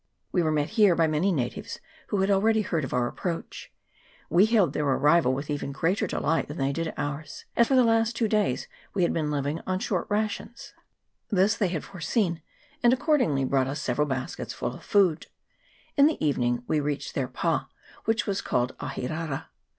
We were met here by many natives, who had already heard of our approach. We hailed their arrival with even greater delight than they did ours, as for the last two days we had been living on short rations : this they had foreseen, and accordingly brought us seve 1 Alauda Novie Zelandise, Gmel. 326 SABBATARIAN SCRUPLES. [PART II. ral baskets full of food. In the evening we reached their pa, which was called Ahirara.